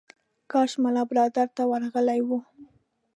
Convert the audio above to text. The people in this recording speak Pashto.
کاش ملا برادر ته ورغلی و.